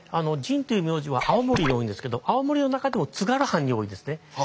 神という名字は青森に多いんですけど青森の中でも津軽藩に多いですね。